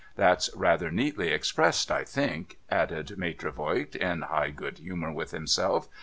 That's rather neatly cxi)ressed, I think,' added Maitre Voigt, in high good humour with himself.